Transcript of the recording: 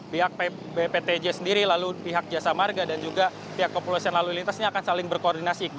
pihak bptj sendiri lalu pihak jasa marga dan juga pihak kepolisian lalu lintas ini akan saling berkoordinasi